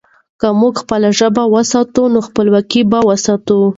که موږ خپله ژبه وساتو، نو خپلواکي به وساتو.